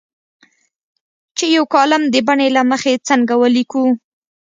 چې یو کالم د بڼې له مخې څنګه ولیکو.